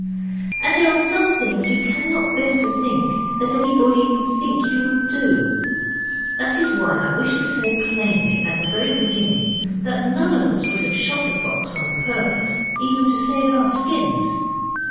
And there are some things you cannot bear to think that anybody would think you would do; that is why I wish to say plainly at the very beginning that none of us would have shot a fox on purpose even to save our skins.